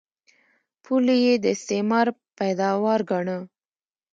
پولې یې د استعمار پیداوار ګاڼه.